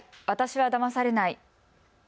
私はだまされない。